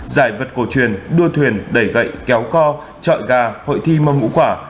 giải vật cổ truyền đua thuyền đẩy gậy kéo co trọi gà hội thi mong ngũ quả